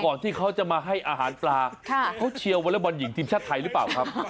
ที่เขาจะมาให้อาหารปลาเขาเชียร์วอเล็กบอลหญิงทีมชาติไทยหรือเปล่าครับ